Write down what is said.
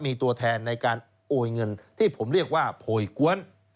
มีตัวแทนในการโอนเงินที่ผมเรียกว่าโพยกวน